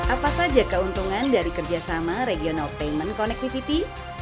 apa saja keuntungan dari kerjasama regional payment connectivity